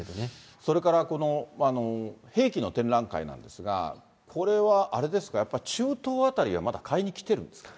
それからこの兵器の展覧会なんですが、これはあれですか、やっぱり中東あたりはまだ買いに来てるんですか。